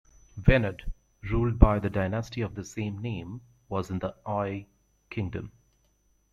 Venad, ruled by the dynasty of the same name, was in the Ay kingdom.